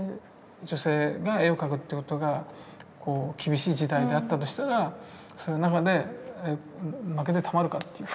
女性が絵を描くっていうことが厳しい時代だったとしたらその中で負けてたまるかっていうか。